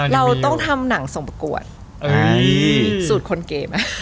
เราต้องทำหนังส่งประกวดสูตรคนเก๋ไหม